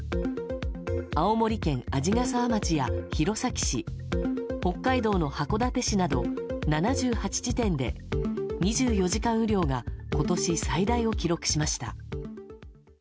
青森県鰺ヶ沢町や弘前市北海道の函館市など７８地点で２４時間雨量が今年最大を記録しました。